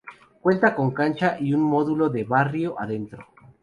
Cuenta con cancha y un módulo de Barrio adentro.